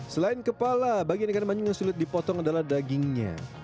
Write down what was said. selain kepala bagian ikan manyung yang sulit dipotong adalah dagingnya